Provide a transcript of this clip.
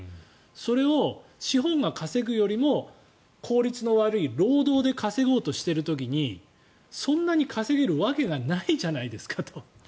それを資本が稼ぐよりも効率の悪い労働で稼ごうとしている時にそんなに稼げるわけがないじゃないですかと。